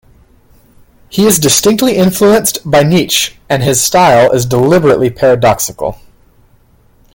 He is distinctly influenced by Nietzsche and his style is deliberately paradoxical.